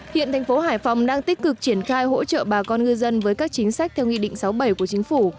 hiện thành phố hải phòng đang tích cực triển khai hỗ trợ bà con ngư dân với các chính sách theo nghị định sáu bảy của chính phủ